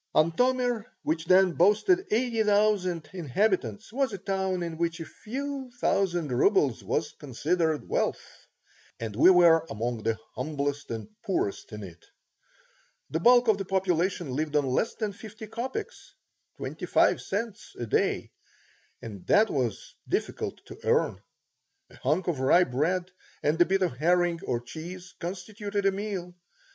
Antomir, which then boasted eighty thousand inhabitants, was a town in which a few thousand rubles was considered wealth, and we were among the humblest and poorest in it. The bulk of the population lived on less than fifty copecks (twenty five cents) a day, and that was difficult to earn. A hunk of rye bread and a bit of herring or cheese constituted a meal.